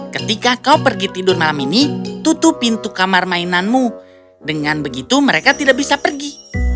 ketika kau pergi tidur malam ini tutup pintu kamar mainanmu dengan begitu mereka tidak bisa pergi